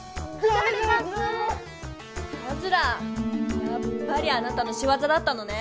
やっぱりあなたのしわざだったのね！